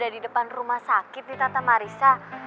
aku ada di depan rumah sakit nih tante marissa